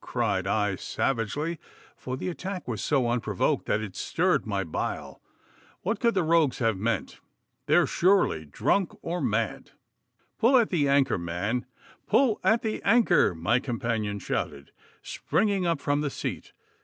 cried I savagely, for the attack was so unprovoked that it stirred my bile. 'What could the rogues have meant? They are surely drunk or mad!' 'Pull at the anchor, man, pull at the anchor!' my companion shouted, springing up from the seat.